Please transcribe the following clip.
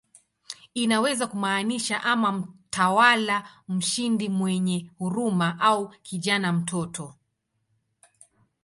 Inaweza kumaanisha ama "mtawala mshindi mwenye huruma" au "kijana, mtoto".